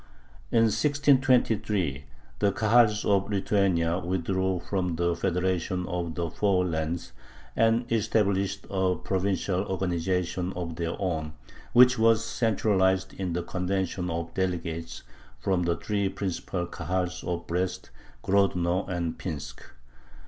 In 1623 the Kahals of Lithuania withdrew from the federation of the Four Lands, and established a provincial organization of their own, which was centralized in the convention of delegates from the three principal Kahals of Brest, Grodno, and Pinsk.